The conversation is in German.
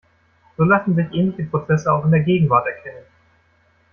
So lassen sich ähnliche Prozesse auch in der Gegenwart erkennen.